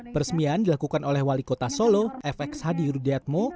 peresmian dilakukan oleh wali kota solo fx hadi rudiatmo